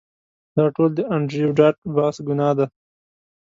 دا ټول د انډریو ډاټ باس ګناه ده